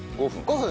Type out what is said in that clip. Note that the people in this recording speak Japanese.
５分？